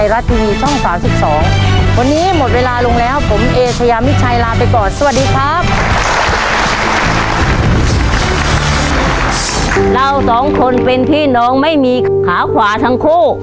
เราสองคนเป็นพี่น้องไม่มีขาขวาทั้งคู่